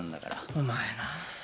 お前な。